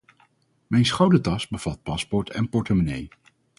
Mijn schoudertas bevat paspoort en portemonnee.